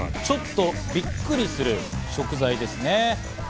ちょっとびっくりする食材ですね。